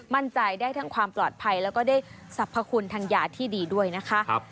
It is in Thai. มั่นใจได้ทั้งความปลอดภัยแล้วก็ได้สรรพคุณทางยาที่ดีด้วยนะคะ